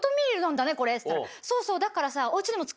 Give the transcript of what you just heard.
そうそうだからさ。